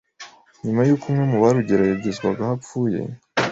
nyuma yuko umwe mu barugeragerezwagaho apfuye